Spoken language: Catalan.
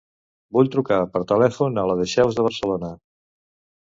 Vull trucar per telèfon a la Dexeus de Barcelona.